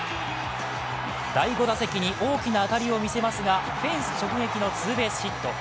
第５打席に大きな当たりを見せますがフェンス直撃のツーベースヒット。